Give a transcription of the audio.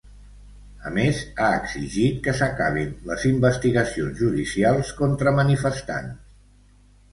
A més, ha exigit que s’acabin les investigacions judicials contra manifestants.